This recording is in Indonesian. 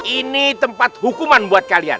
ini tempat hukuman buat kalian